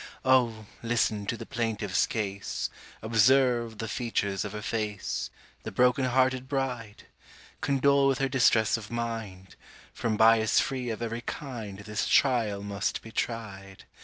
Oh, listen to the plaintiff's case: Observe the features of her face— The broken hearted bride! Condole with her distress of mind— From bias free of every kind, This trial must be tried!